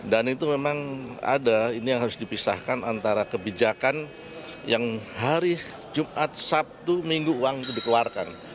itu memang ada ini yang harus dipisahkan antara kebijakan yang hari jumat sabtu minggu uang itu dikeluarkan